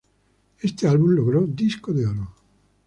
Este álbum logró disco de oro.